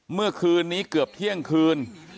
เมื่อคืนนี้เกือบเที่ยงคืน